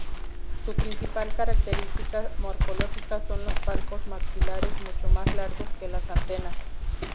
Su principal característica morfológica son los palpos maxilares mucho más largos que las antenas.